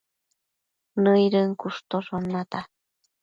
nëidën cushtoshon nata